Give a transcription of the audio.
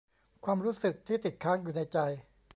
ความรู้สึกที่ติดค้างอยู่ในใจ